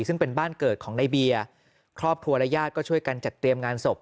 ซึ่งเป็นบ้านเกิดของในเบียร์ครอบครัวและญาติก็ช่วยกันจัดเตรียมงานศพ